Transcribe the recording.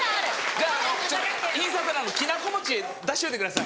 じゃああのインサートできな粉餅出しておいてください。